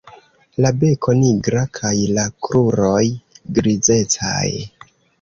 La beko nigra kaj la kruroj grizecaj.